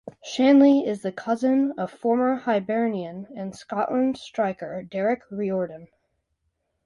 Shanley is the cousin of former Hibernian and Scotland striker Derek Riordan.